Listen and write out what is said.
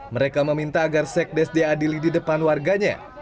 mereka meminta agar sekdes diadili di depan warganya